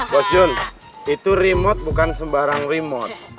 bos jun itu remote bukan sembarang remote